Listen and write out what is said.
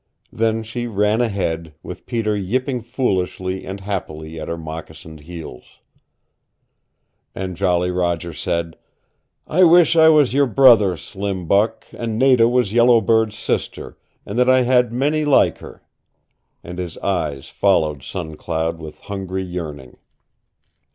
Then she ran ahead, with Peter yipping foolishly and happily at her moccasined heels. And Jolly Roger said, "I wish I was your brother, Slim Buck, and Nada was Yellow Bird's sister and that I had many like her," and his eyes followed Sun Cloud with hungry yearning.